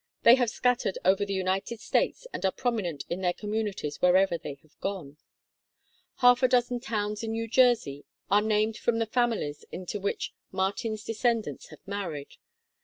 They have scattered over the United States and are prominent in their communities wherever they have gone. Half a dozen towns in New Jersey are named from the families into which Martin's descend ants have married.